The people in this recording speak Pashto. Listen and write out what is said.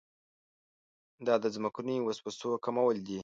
دا د ځمکنیو وسوسو کمول دي.